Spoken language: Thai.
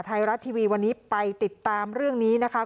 ไทยรัฐทีวีวันนี้ไปติดตามเรื่องนี้นะคะ